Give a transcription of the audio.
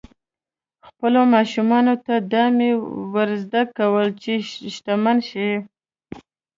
خپلو ماشومانو ته دا مه ور زده کوئ چې شتمن شي.